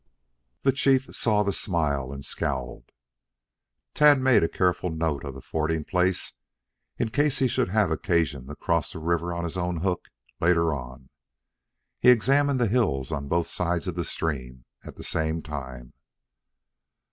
The chief saw the smile and scowled. Tad made careful note of the fording place in case he should have occasion to cross the river on his own hook later on. He examined the hills on both sides of the stream at the same time.